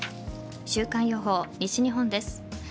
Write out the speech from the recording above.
週間予報、西日本です。